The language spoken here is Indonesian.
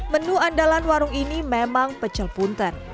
menu andalan warung ini memang pecel punten